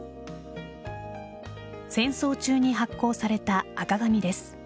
戦争中に発行された赤紙です。